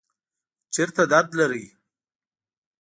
چیرته درد لرئ؟